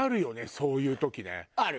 そういう時ね。